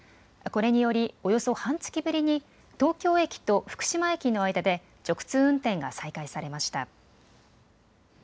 これにより、およそ半月ぶりに東京駅と福島駅の間で直通運転が再開されました。